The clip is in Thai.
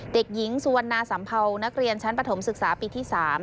เด็กหญิงสุวรรณาสัมเภานักเรียนชั้นปฐมศึกษาปีที่๓